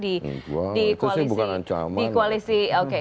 itu sih bukan ancaman